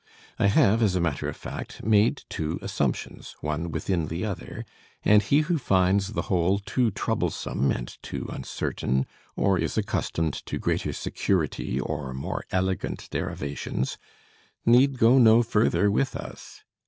I have, as a matter of fact, made two assumptions, one within the other, and he who finds the whole too troublesome and too uncertain or is accustomed to greater security or more elegant derivations, need go no further with us.